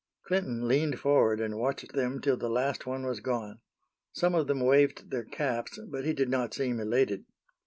Clinton leaned forward and watched them till the last one was gone. Some of them waved their caps, but he did not seem elated.